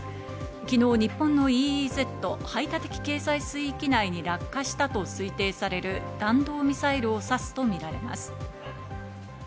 昨日、日本のＥＥＺ＝排他的経済水域内に落下したと推定される弾道ミサイルを指すとみられます。